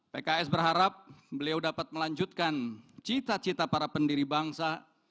pks berharap beliau dapat melanjutkan cita cita para pendiri bangsa